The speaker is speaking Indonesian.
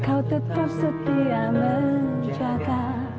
kau tetap setia menjaga